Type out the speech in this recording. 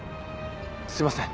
すいません。